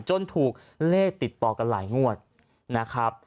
ถูกเลขติดต่อกันหลายงวดนะครับ